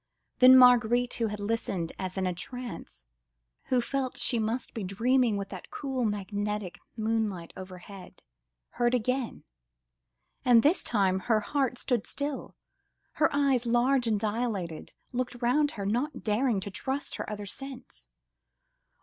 Then Marguerite, who had listened as in a trance, who felt she must be dreaming with that cool, magnetic moonlight overhead, heard again; and this time her heart stood still, her eyes large and dilated, looked round her, not daring to trust to her other sense.